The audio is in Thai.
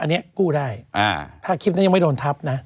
อันนี้กู้ได้ถ้าคลิปนั้นยังไม่โดนทับนะ